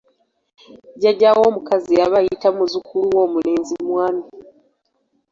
"Jjajjaawo omukazi aba ayita muzzukulu we omulenzi ""mwami""."